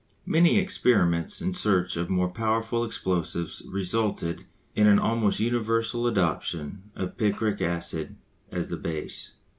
Many experiments in search of more powerful explosives resulted in an almost universal adoption of picric acid as the base.